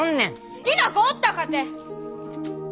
好きな子おったかて。